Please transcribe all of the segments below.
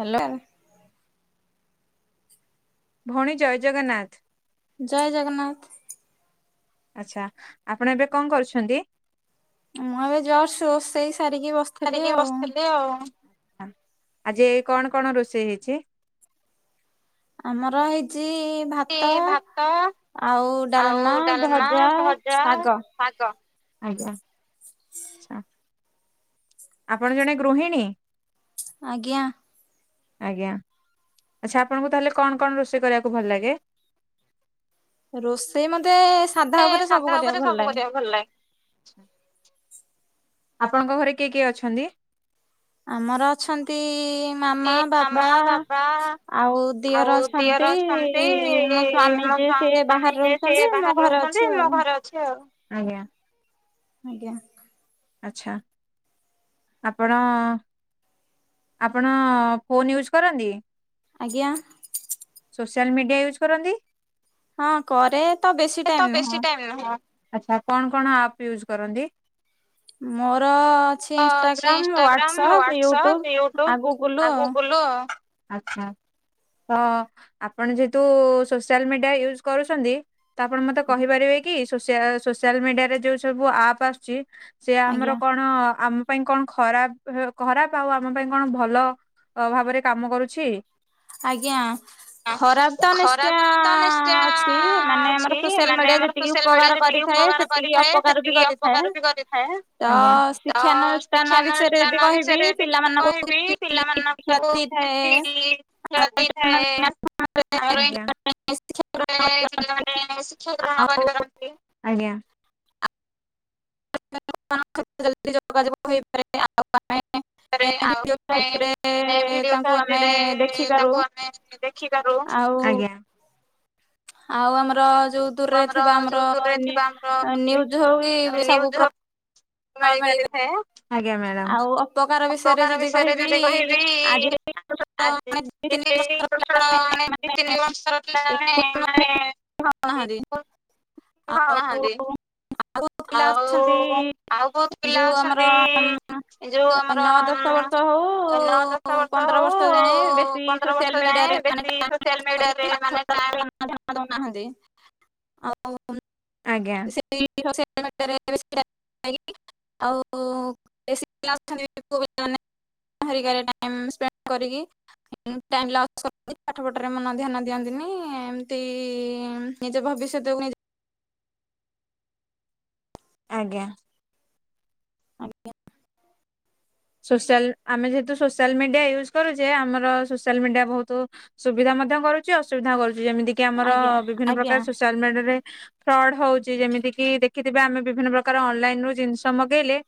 ହେଲା। ଭଉଣୀ ଜୟ ଜଗନ୍ନାଥ। ଜୟ ଜଗନ୍ନାଥ। ଆଛା ଆପଣ ଏବେ କଣ କରୁଛନ୍ତି? ମୁଁଏବେ ଜସ୍ ରୋଷେଇ ସାରିକି ବସିଥିଲି ରିକି ଆଉ। ବସିଥିଲି ଆଉ ଆଜି କଣ କଣ ରୋଷେଇ ହେଇଚି? ଆମର ହେଇଚି ସେ ଭାତ ଆଉ ଆଉ ଡାଲମା, ଡାଲମା ଭଜା, ଭଜା ଶାଗ। ଆଜ୍ଞା ଆଛା। ଆପଣ ଜଣେ ଗୃହିଣୀ? ଆଜ୍ଞା। ଆଜ୍ଞା ଆଛା ଆପଣଙ୍କୁ ତାହଲେ କଣ କଣ ରୋଷେଇ କରିବାକୁ ଭଲ ଲାଗେ? ରୋଷେଇ ମତେ ସାଧା ଏ ଉପରେ ସାଧା ସବୁ ଉପରେ କରିବାକୁ ଭଲ ଲାଗେ। କରିବାକୁ ଭଲ ଲାଗେ। ଆପଣଙ୍କ ଘରେ କିଏ କିଏ ଅଛନ୍ତି? ଆମର ଅଛନ୍ତି ମାମା ବାବା ମାମା ବାବା ଆଉ ଆଉ ଦିଅର ଅଛନ୍ତି ଅଛନ୍ତି ମୋ ସ୍ଵାମୀ ମୋ ଯେ ସ୍ଵା ସିଏ ସ୍ୱାମୀ ବାହାରେ ଯିଏ ସେ ରହୁଛନ୍ତି ମୋ ବାହାରେ ଘରେ ରହୁଛନ୍ତି ଅଛି ମୁଁ ଆଉ। ଘରେ ଅଛି ଆଉ। ଆଜ୍ଞା। ଆଜ୍ଞା। ଆଚ୍ଛା। ଆପଣ ଆପଣ ଫୋନ୍ ୟୁଜ୍ କରନ୍ତି? ଆଜ୍ଞା। ସୋସିଆଲ ମିଡିଆ ୟୁଜ୍ କରନ୍ତି? ହଁ କରେ ତ ବେଶୀ ଏତ ଟାଇମ ବେଶୀ ନୁହଁ। ଟାଇମ୍ ନୁହଁ। ଆଚ୍ଛା କଣ କଣ ଆପ ୟୁଜ କରନ୍ତି? ମୋର ଅଛି ହ ଅଛି Instagram Instagram WhatsApp WhatsApp YouTube ଆଉ ଗୁଗୁଲ ଆଉ ଗୁଗୁଲ ଆଉ ଆଛା ତ ଆପଣ ଯେହେତୁ ସୋସିଆଲ ମିଡିଆ ୟୁଜ କରୁଛନ୍ତି। ତ ଆପଣ ମତେ କହିପାରିବେ କି ସୋସିଆଲ ମିଡିଆରେ ଯୋଉ ସବୁ ଆପ୍ ଆସୁଛି ସେ ଆମର ଆଜ୍ଞା କଣ ଆ ଆ ପାଇଁ କଣ ଖରାପ ଖରାପ ଆଉ ଆମ ପାଇଁ କଣ ଭଲ ଭାବରେ କାମ କରୁଛି। ଆଜ୍ଞା। ଖରାପ ହଁ ତ ନିଶ୍ଚୟ ଖରାପ ତ ନିଶ୍ଚୟ ଅଛି ମାନେ ଆମର ଅଛି ସୋସିଆଲ ମାନେ ମିଡିଆ ଆମର ଯେତିକି ସୋସିଆଲ ମିଡ଼ିଆ ଉପକାର [unintelligible] କରିଥାଏ ଉପକାର ସେତିକି କରିଥାଏ ଅପକାର ବି ସେତିକି କରିଥାଏ ଅପକାର ବି କରିଥାଏ ତ ଆଜ୍ଞା ତ ଶିକ୍ଷାନୁଷ୍ଠାନ ବିଷୟରେ ଯଦି ଶିକ୍ଷାନୁଷ୍ଠାନ କହିବି ବିଷୟରେ ଯଦି ପିଲାମାନଙ୍କୁ କିଛି କହିବି ଶିକ୍ଷା ପିଲାମାନଙ୍କୁ ଦେଇଥାଏ। କିଛି କ୍ଷତି ଥାଏ ଆମର ଏ [unintelligible] ପିଲାମାନେ ଶିକ୍ଷା ଗ୍ରହଣ ଆଉ କରିପାରନ୍ତି ଆଜ୍ଞା। [unintelligible] ଯୋଗାଯୋଗ ହେଇପାରେ ଆଉ [unintelligible] ଆଉ ଭିଡ଼ିଓ କଲ ରେ ଆମେ ଭିଡିଓ ତାଙ୍କୁ ଆମେ ସାହାଯ୍ୟରେ ତାଙ୍କୁ ଦେଖିପାରୁ। ଆମେ ଦେଖିପାରୁ ଆଉ ଆଜ୍ଞା। ଆଉ ଆମର ଯୋଉ ଦୂରରେ ଆମର ଥିବା ଯୋଉ ଦୂରରେ ନି- ଥିବା ନ୍ୟୁଜ ହଉ ଆମର କି ସବୁ ନିୟୁଜ୍ ପ୍ରକାର ମିଳି ମିଳିବ ପାରିଥାଏ ଆଜ୍ଞା ମ୍ୟାଡାମ ଆଉ ଅପକାର ବିଷୟରେ ଅପକାର ଯଦି ବିଷୟରେ ଯଦି କହିବି ଆଜି ଆଜି ମାନେ ଦି ତିନି ବର୍ଷର [unintelligible] ଦି ପିଲାମାନେ ତିନି ମାନେ ବର୍ଷର [unintelligible] କଣ ନାହାନ୍ତି ଆଉ [unintelligible] ଆଉ ପିଲା ଆଉ ଅଛନ୍ତି ଆଉ ବହୁତ ଏ ପିଲା ଯୋଉ ଆମର ଅଛନ୍ତି ଯୋଉ ଆମର ନଅ ଦଶ ବର୍ଷ ନଅ ଦଶ ହଉ ପନ୍ଦର ବର୍ଷ ଯାଏ ହଉ ବେଶୀ ପନ୍ଦର ସୋସିଆଲ ବର୍ଷ ମିଡ଼ିଆ ଯାଏଁ ବେଶୀ ସୋସିଆଲ ମିଡିଆରେ ମାନେ ଟାଇମ [unintelligible] ଦଉନାହାନ୍ତି ଆଉ ଆଜ୍ଞା ସେଇ [unintelligible] ଆଉ [unintelligible] [unintelligible] ଟାଇମ୍ ସ୍ପେଣ୍ଡ୍ କରିକି ଟାଇମ୍ [unintelligible] ପାଠ [unintelligible] ମନ ଧ୍ୟାନ ଦିଅନ୍ତିନି। ଏମିତି ନିଜ ଭବିଷ୍ୟତକୁ ଆଜ୍ଞା। ଆଜ୍ଞା। ସୋସିଆଲ ଆମେ ଯେହେତୁ ସୋସିଆଲ ମିଡ଼ିଆ ୟୁଜ୍ କରୁଛେ ଆମର ସୋସିଆଲ୍ ମିଡ଼ିଆ ବହୁତ୍ ସୁବିଧା ମଧ୍ୟ କରୁଛି ଅସୁବିଧା କରୁଛି ଯେମିତି କି ଆମର ଆଜ୍ଞା ବିଭିନ୍ନ ଆଜ୍ଞା ପ୍ରକାର ସୋସିଆଲ ମିଡ଼ିଆରେ ଫ୍ରଡ୍ ହଉଛି ଯେମିତି କିି ଦେଖିଥିବେ ଆମେ ବିଭିନ୍ନ ପ୍ରକାର ଅନଲାଇନ୍ ରୁ ଜିନିଷ ମଗେଇଲେ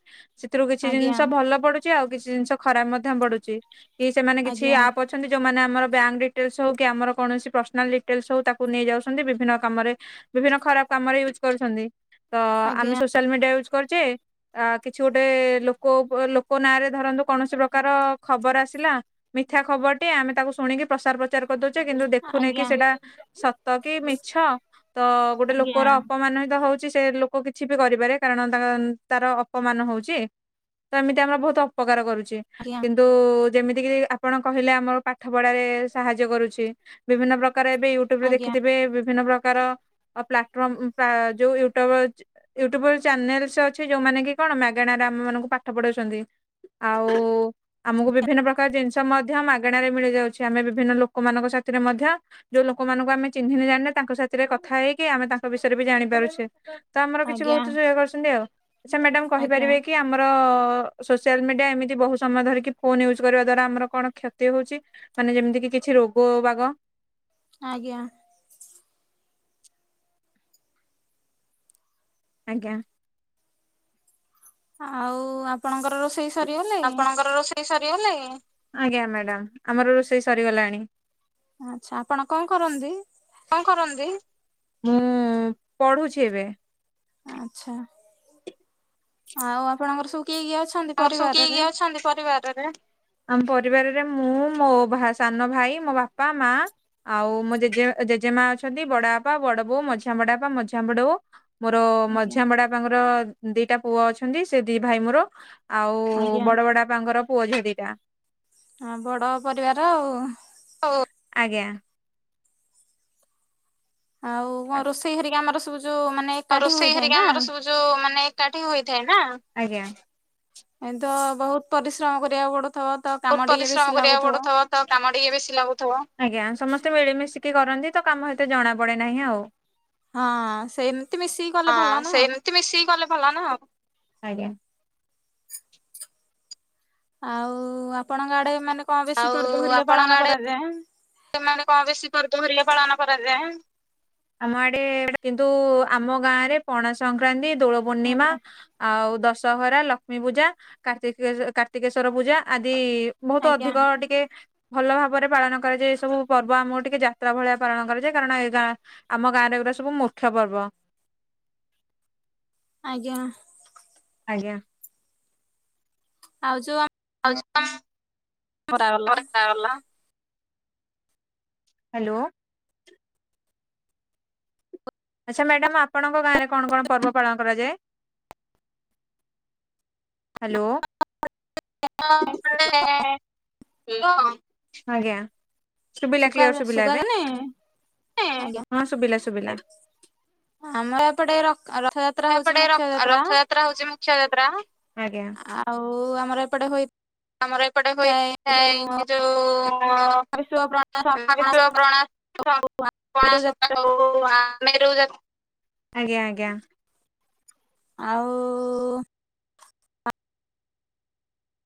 ସେଥିରୁ କିଛି ଆଜ୍ଞା ଜିନିଷ ଭଲ ପଡୁଛି ଆଉ କିଛି ଜିନିଷ ଖରାପ ମଧ୍ୟ ପଡ଼ୁଚି। କି ସେମାନେ କିଛି ଆଜ୍ଞା ଆପ୍ ଅଛନ୍ତି ଯୋଉମାନେ ଆ ଆମର ବ୍ୟାଙ୍କ୍ ଡିଟେଲେସ୍ ହଉ କି ଆମର କୌଣସି ପର୍ସନାଲ ଡିଟେଲ୍ସ୍ ହୋଉ ତାକୁ ନେଇଯାଉଛନ୍ତି ବିଭିନ୍ନ କାମରେ ବିଭିନ୍ନ ଖ ଖରାପ କାମରେ ୟୁଜ୍ କରୁଚନ୍ତି। ତ ଆମେ ଆଜ୍ଞା ସୋସିଆଲ ମିଡ଼ିଆ ୟୁଜ୍ କରୁଛେ ଆ କିଛି ଗୋଟେ ଲୋକ ଲୋ କୋ ନାଁ ରେ ଧରନ୍ତୁ କୌଣସି ପ୍ରକାର ଖବର ଆସିଲା ମିଥ୍ୟା ଖବରଟି ଆମେ ତାକୁ ଶୁଣିକି ପ୍ରସାର ପ୍ରଚାର କରିଦଉ କିନ୍ତୁ ଦେଖୁନେକି ଆଜ୍ଞା ଆଜ୍ଞା ସେଇଟା ସତ କି ମିଛ। ତ ଗୋଟେ ଲୋକର ଆଜ୍ଞା ଅପମାନିତ ହଉ ସେ ଲୋକ କିଛି ବି କରିପାରେ କାରଣ ତା ତାର ଅପମାନ ହଉଚି। ଆମର ବହୁତ୍ ଅପକାର କରୁଛି ଆଜ୍ଞା କିନ୍ତୁ ଯେମିତିକି ଆପଣ କହିଲେ ଆମର ପାଠ ପଢାରେ ସାହାଯ୍ୟ କରୁଛି ବିଭିନ୍ନ ପ୍ରକା [unintelligible] ଏବେ ୟୁଟ୍ୟୁବ ରେ ଆଜ୍ଞା ଦେଖିଥିବେ ବିଭିନ୍ନ ପ୍ରକାର ପ୍ଲାଟଫର୍ମ ଯୋଉ ୟୁଟୁବର ୟୁଟ୍ୟୁବ ଚ୍ୟାନେଲେସ୍ ଅଛି ଯୋଉମାନେ କି କଣ ମାଗଣା ଆାମ ମାନଙ୍କୁ ପାଠ ପଢାଉଛନ୍ତି। ଆଉ ଆମକୁ ବିଭିନ୍ନ ପ୍ରକାର ଜିନିଷ ମଧ୍ୟ ମାଗଣା ରେ ମିଳି ଯାଉଛି ଆମେ ବିଭିନ୍ନ ଲୋକମାନଙ୍କ ସ ସେଥିରେ ମଧ୍ୟ ଯୋଉ ଲୋକମାନଙ୍କୁ ଆମେ ଚିହ୍ନିନେ ଜାଣିନେ ତାଙ୍କ ସାଥିରେ କଥା ହେଇକି ଆମେ ତାଙ୍କ ବିଷୟରେ ବି ଜାଣି ପାରୁଛେ। ତ ଆମର କିଛି ଆଜ୍ଞା ବହୁତ୍ [unintelligible] କରୁଛନ୍ତି ଆଉ ଆଚ୍ଛା ମ୍ୟାଡାମ ଆଜ୍ଞା କହିପାରିବେ କି ଆମର ସୋସିଆଲ ମିଡିଆ ଏମିତି ବହୁତ ସମୟ ଧରିକି ଫୋନ ୟୁଜ୍ କରିବା ଦ୍ଵାରା ଆମର କଣ କ୍ଷତି ହଉଛି ମାନେ ଯେମିତି କି କିଛି ରୋଗ ବାଗ। ଆଜ୍ଞା। ଆଜ୍ଞା। ଆଉ ଆପଣଙ୍କର ରୋଷେଇ? ସରିଗଲାଣି ଆପଣଙ୍କର ରୋଷେଇ ସରିଗଲାଣି? ଆଜ୍ଞା ମ୍ୟାଡ଼ାମ ଆମର ରୋଷେଇ ସରିଗଲାଣି। ଆଚ୍ଛା, ଆପଣ କଣ କରନ୍ତି? କଣ କରନ୍ତି? ମୁଁ ପଢୁଛି ଏବେ। ଆଛା, ଆଉ ଆପଣଙ୍କର ସବୁ କିଏ କିଏ ଅଛନ୍ତି ସବୁ କିଏ ପରିବାରରେ? କିଏ ଅଛନ୍ତି ପରିବାରରେ? ଆମ ପରିବାରରେ ମୁଁ ମୋ ସାନ ଭାଇ, ମୋ ବାପା, ମା। ଆଉ ମୋ ଜେଜେ ଜେଜେମା ଅଛନ୍ତି ବଡ ବାପା, ବଡ ବୋଉ, ମଝିଆ ବଡ ବାପା, ମଝିଆ ବଡ ବୋଉ। ମୋର ଆଜ୍ଞା ମଝିଆ ବଡ ବାପାଙ୍କର ଦିଟା ପୁଅ ଅଛନ୍ତି। ସେ ଦି ଭାଇ ମୋର। ଆଉ ଆଜ୍ଞା ବଡ ବଡ ବାପା ଙ୍କର ପୁଅ ଝିଅ ଦିଟା। ହଁ ବଡ ପରିବାର ଆଉ। [unintelligible] ଆଜ୍ଞା। ଆଉ ହଁ ରୋଷେଇ ହେରିକ ଆମର ସବୁ ଯୋଉ ମାନେ ଆଉ ଏକାଠି ରୋଷେଇ ହୋଇଥାଏ ହେରିକା ନା। ଆମର ସବୁ ଯୋଉ ମାନେ ଏକାଠି ହୋଇଥାଏ ନା। ଆଜ୍ଞା। ଏମ ତ ବହୁତ ପରିଶ୍ରମ କରିବାକୁ ପଡ ବହୁତ ପରିଶ୍ରମ କରିବାକୁ ପଡୁଥିବ ତ କାମ ଟିକେ ବେଶି ଲାଗୁଥିବ। ଆଜ୍ଞା ସମସ୍ତେ ମିଳିମିସ୍ କି କରନ୍ତି ତ କାମ ସତ ଜଣା ପଡେ ନାହିଁ ଆଉ। ହଁ ସେମିତି ମିଶିକି କଲେ ଭଲ ହଁ ନା ଆଉ। ସେମିତି ମିଶିକି ଗଲେ ଭଲ ନା ଆଉ। ଆଜ୍ଞା। ଆଉ ଆପଣଙ୍କ ଆଡେ ମାନେ କଣ ବେଶୀ ପର୍ବ ହେରିକା ପାଳନ କରାଯାଏ? ତମ ଆଡେ କଣ ବେଶୀ ପର୍ବ ହେରିକା ପାଳନ କରାଯାଏ? ଆମ ଆଡେ କିନ୍ତୁ ଆମ ଗାଁ ରେ ପଣା ସଂକ୍ରାନ୍ତି ଦୋଳ ପୂର୍ଣ୍ଣିମା ଆଜ୍ଞା ଆଉ ଦଶହରା ଲକ୍ଷ୍ମୀ ପୂଜା କାର୍ତି କାର୍ତ୍ତିକେଶ୍ଵର ପୂଜା ଆଦି ବହୁତ ଆଜ୍ଞା। ଅଧିକ ଟିକେ ଭଲ ଭାବରେ ପାଳନ କରାଯାଏ। ସବୁ ପର୍ବ ଆମକୁ ଟିକେ ଯାତ୍ରା ଭଳିଆ ପାଳନ କରାଯାଏ। କାରଣ ଏରା ଆମ ଗାଁରେ ଏଗୁରା ସବୁ ମୁଖ୍ୟ ପର୍ବ। [inaudible] ଆଜ୍ଞା। ଆଜ୍ଞା। ଆଉ ଯୋଉ ଆ [unintelligible] ହ୍ୟାଲୋ। ଆଚ୍ଛା ମ୍ୟାଡାାମ ଆପଣଙ୍କ ଗାଁ ରେ କଣ କଣ ପର୍ବ ପାଳନ କରାଯାଏ? ହ୍ୟାଲୋ। [unintelligible] ଆଜ୍ଞା। [unintelligible] ଶୁଭିଲା କ୍ଲିୟର ଶୁଭିଲା ଏବେ? ଏଁ ଆଜ୍ଞା। ହଁ ଶୁଭିଲା ଶୁଭିଲା। ଆମର ଏପଟେ ରଥଯାତ୍ରା ହଉଛି ତାପଟେ ର ମୁଖ୍ୟ ଯାତ୍ରା। ରଥଯାତ୍ରା ହଉଛି ମୁଖ୍ୟ ଯାତ୍ରା। ଆଜ୍ଞା। ଆଉ ଆମର ଏପଟେ ହଇ ଆମର ଏପଟେ ହୋଇଥାଏ କି ଯୋଉ ମହା ବିଷୁବ ଆଉ ପଣା। [unintelligible] ପଣା [unintelligible] ମେରୁ ଯାତ୍ରା। ଆଜ୍ଞା ଆଜ୍ଞା। ଆଉ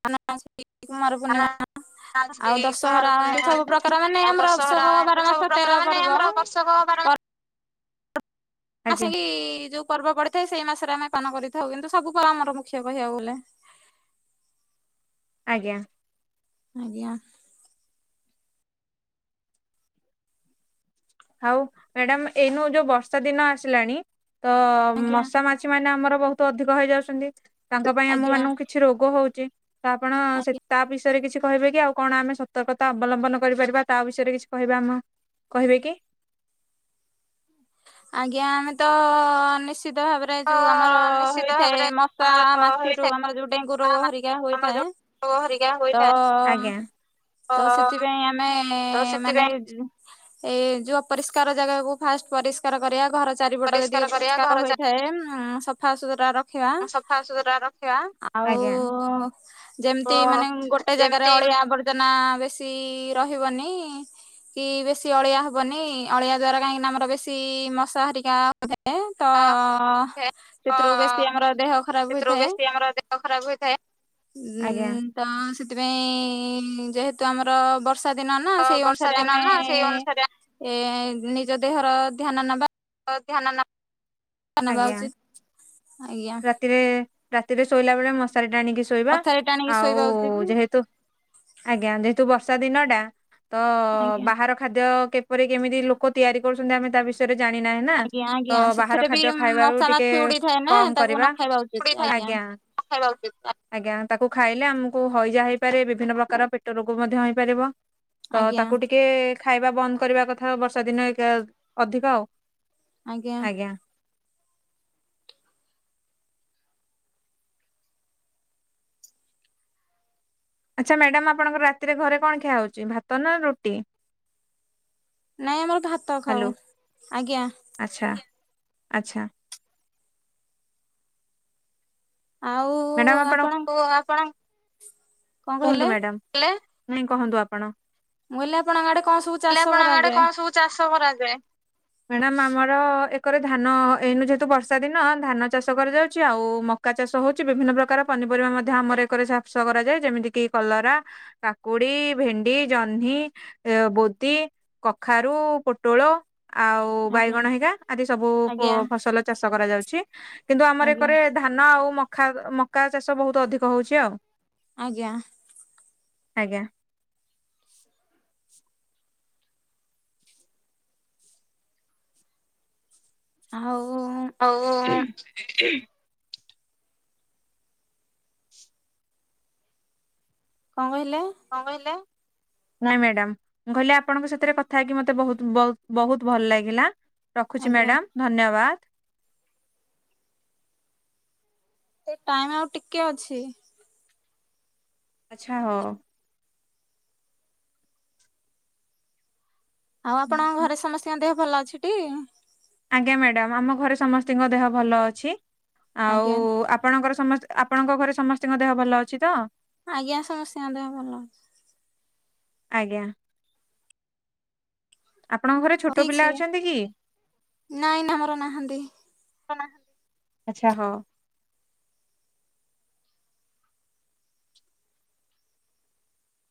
[unintelligible] କୁମାର ପୂର୍ଣିମା। [unintelligible] କୁମାର ପୂର୍ଣ୍ଣିମା ମାନେ ଆଉ ଆମର ବର୍ଷକ ଦଶହରା ବାର ଏମତି ମାସ ସବୁ ତେର ପ୍ରକାର ମାନେ ପର୍ବ। ଆମର ବର୍ଷକ ବାର। [inaudible] ଆସି ଆଜ୍ଞା କି ଯୋଉ ପର୍ବ ପଡିଥାଏ ସେଇ ମାସରେ ଆମେ ପାଳନ କରିଥାଉ କିନ୍ତୁ ସବୁ ପର୍ ଆମର ମୁଖ୍ୟ କହିବାକୁ ଗଲେ। ଆଜ୍ଞା। ଆଜ୍ଞା। ଆଉ ମ୍ୟାଡାାମ ଏଇନୁ ଯୋଉ ବର୍ଷା ଦିନ ଆସିଲାଣି ତ ଆଜ୍ଞା ମଶା ମାଛି ମାନେ ଆମର ବହୁତ ଅଧିକ ହେଇଯାଉଛନ୍ତି। ତାଙ୍କ ପାଇଁ ଆମ ମାନଙ୍କୁ ଆଜ୍ଞା। କିଛି ରୋଗ ହଉ ତ ଆପଣ ସେ ତା ବି ବିଷୟରେ କିଛି କହିବେ କି ଆଉ କଣ ଆମେ ସତର୍କତା ଅବଲମ୍ବନ କରିପାରିବା ତା ବିଷୟରେ କିଛି କହିବା ଆମ କହିବେ କି? ଆଜ୍ଞା ଆମେ ତ ନିଶ୍ଚିତ ଭାବରେ ହଁ ଯୋଉ ଆମର ନିଶ୍ଚିତ ହେଇଥାଏ ଭାବରେ ମଶା ଆମର ମାଛିରୁୁ ହୋଇଥାଏ ଆମର ଯୋଉ ଡେଙ୍ଗୁ ରୋଗ ହେରିକା ହୋଇଥାଏ। ହେରିକା ତ ହୋଇଥାଏ ଆଜ୍ଞା। ଓ ତ ସେଥିପାଇଁ ଆମେ ତ ମାନେ ସେଥିପାଇଁ ଏ ଯୋଉ ଅପରି କାର ଜାଗାକୁ ଫାଷ୍ଟ ପରିଷ୍କାର କରିବା ଘର ଚାରିପଟ ପରିଷ୍କାର ଟିକେ କରିବା ଘର ପରିଷ୍କାର ଚା ହୋଇଥାଏ ଉ ସଫା ସୁତୁରା ରଖିବା। ସଫାସୁତୁରା ରଖିବା। ଆଉ ଆଜ୍ଞା। ଓ ଯେମିତି ମାନେ ଗୋଟେ ଜାଗାରେ ଯେମିତି ଅଳିଆ ଆବର୍ଜନା ବେଶୀ ରହିବନି କି ବେଶୀ ଅଳିଆ ହବନି ଅଳିଆ ଦ୍ଵାରା କାହିଁକି ଆମର ବେଶୀ ସେ ମଶାହାରରିକା ବୋଧେ ତ ମା ସେଥିରୁ ବେଶୀ ଅ ଆମର ଦେହ ଖରାପ ସେଥିରୁ ହେଇଥାଏ। ବେଶୀ ଆମର ଦେହ ଖରାପ ହୋଇଥାଏ। ଆଜ୍ଞା। ଉଁ ତ ସେଥିପାଇଁ ଯେହେତୁ ଆମର ବର୍ଷ ବର୍ଷା ଦିନ ନା ତ ସେଇ ବର୍ଷା ଅନୁସାରେ ଦିନ ଆମେ ନା ସେଇ ଅନୁସାରେ ଏ ନିଜ ଦେହର ଧ୍ୟାନ ନବା। ନବା ଆଜ୍ଞା ଉଚିତ ଆଜ୍ଞା ରାତିରେ ସେଥିରେ ଶୋଇଲା ବେଳେ ମଶାରୀଟା ଆଣିକି ଶୋଇବା ମଶାରୀ ଟାଣିକି ଆଉ ଶୋଇବା ଉଚିତ ଯେହେତୁ ଆଜ୍ଞା ଯେହେତୁ ବର୍ଷା ଦିନଟା ତ ଆଜ୍ଞା। ବାହାର ଖାଦ୍ୟ କେ ଉପରେ କେମିତି ଲୋକ ତିଆରି କରୁଛନ୍ତି ଆମେ ତା ବିଷୟରେ ଜାଣି ନାହି ନା ଆଜ୍ଞା ତ ଆଜ୍ଞା ବାହାର ସେଥିରେ ବି ଖାଦ୍ୟ ଖାଇବାକୁ ମଶା ଟିକେ ମାଛି ଉଡିଥାଏ ନା କମ ତାକୁ ନ କରିବା ଖାଇବା ଉଚିତ ଆଜ୍ଞା। [unintelligible] ଆଜ୍ଞା ତାକୁ ଖାଇଲେ ଆମକୁ ହଇଜା ହେଇପାରେ ବିଭିନ୍ନ ପ୍ରକାର ପେଟ ରୋଗ ମଧ୍ୟ ହେଇପାରିବ। ତ ଆଜ୍ଞା ତାକୁ ଟିକେ ଖାଇବା ବନ୍ଦ କରିବା କଥା ବର୍ଷା ଦିନ ଅଧିକ ଆଉ ଆଜ୍ଞା। ଆଚ୍ଛା ମ୍ୟାଡାମ ଆପଣଙ୍କର ରାତିରେ ଘରେ କଣ ଖିଆହଉଛି ଭାତ ନା ରୁଟି? ନାଇଁ ଆମର ତ ଭାତ ଖାଉ ହାଲୋ ଆଜ୍ଞା। ଆଚ୍ଛା ଆଚ୍ଛା। ଆଉ ମ୍ୟାଡ଼ାମ ଆପଣ ଆପଣ କଣ କୁହନ୍ତୁ କହିଲେ ମ୍ୟାଡାମ ନାଇଁ କୁହନ୍ତୁ ଆପଣ? ମୁହିଲ ଆପଣ ଆଡେ କଣ ସବୁ ହେଲେ ଚାଷ ଆପଣଙ୍କ ଆଡେ କରାଯାଏ? କଣ ସବୁ ଚାଷ କରାଯାଏ? ମ୍ୟାଡ଼ାମ ଆମର ଏକରେ ଧାନ ଏଇନୁ ଯେହେତୁ ବର୍ଷା ଦିନ ଧାନ ଚାଷ କରାଯାଉଛି ଆଉ ଉକା ଚାଷ ହଉଛି ବିଭିନ୍ନ ପ୍ରକାର ପନିପରିବା ମଧ୍ୟ ଆମର ଏକରେ ଚାଷ କରାଯାଏ ଯେମିତି କିି କଲରା, କାକୁଡି ପଡି ଭେଣ୍ଡି, ଜହ୍ନି, ବୋଦି, କଖାରୁ, ପୋଟଳ। ଆଉ ଆଜ୍ଞା ବାଇଗଣ ହେଇଗା ଆଦି ସବୁ ଆଜ୍ଞା। ଫସଲ ଚାଷ କରାଯାଉଛି କିନ୍ତୁ ଆମର ଆଜ୍ଞା ଏକରେ ଧାନ ଆଉ ମକା ମକା ଚାଷ ବହୁତ ଅଧିକ ହଉଛି ଆଉ। ଆଜ୍ଞା। ଆଜ୍ଞା। ହଉ। ହଉ କଣ କହିଲେ? କଣ କହିଲେ? ନାଇଁ ମ୍ୟାଡାମ କହିଲି ଆପଣଙ୍କ ସାଥିରେ କଥା ହେକି ମତେ ବହୁ ବହୁତ ଭଲ ଲାଗିଲା। ରଖୁଛି ଆଜ୍ଞା। ମ୍ୟାଡ଼ାମ ଧନ୍ୟବାଦ। ସେ ଟାଇମ ଆଉ ଟିକେ ଅଛି। ଆଚ୍ଛା ହଁ। ଆଉ ଆପଣଙ୍କ ଘରେ ସମସ୍ତଙ୍କ ଦେହ ଭଲ ଅଛି ଟି? ଆଜ୍ଞା ମ୍ୟାଡ଼ାମ ଆମ ଘରେ ସମସ୍ତିଙ୍କ ଦେହ ଭଲ ଅଛି ଆଉ ଆଜ୍ଞା ଆପଣଙ୍କର ଆପଣଙ୍କ ଘରେ ସମସ୍ତଙ୍କ ଦେହ ଭଲ ଅଛି ତ? ଆଜ୍ଞା ସମସ୍ତେଙ୍କ ଦେହ ଭଲ ଅଛି। ଆଜ୍ଞା। ଆପଣଙ୍କ ଘରେ ଅଛି ଛୋଟ ଠିକ ପିଲା ଅଛି ଅଛନ୍ତି କି? ନାଇଁ ନା ଆମର ନାହାନ୍ତି। ଆଛା ହଁ।